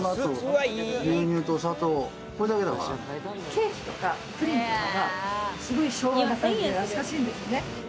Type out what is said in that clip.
ケーキとかプリンとかが、すごい昭和な感じで懐かしいんですね。